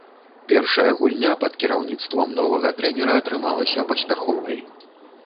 Першая гульня пад кіраўніцтвам новага трэнера атрымалася паспяховай.